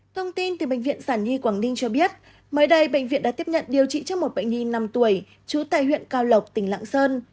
thông tin từ bệnh viện sản nhi quảng ninh cho biết mới đây bệnh viện đã tiếp nhận điều trị cho một bệnh nhi năm tuổi trú tại huyện cao lộc tỉnh lạng sơn